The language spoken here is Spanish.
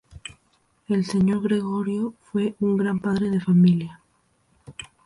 El señor Gregorio fue un gran padre de familia